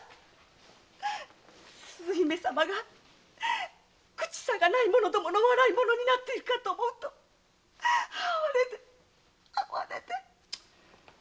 姫様が口さがない者の笑いものになっているかと思うと哀れで哀れで。